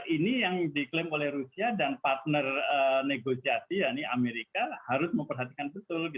ini yang diklaim oleh rusia dan partner negosiasi yaitu amerika harus memperhatikan betul